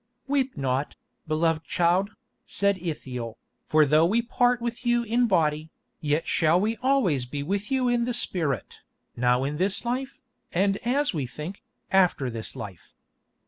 "Weep not, beloved child," said Ithiel, "for though we part with you in body, yet shall we always be with you in the spirit, now in this life, and as we think, after this life.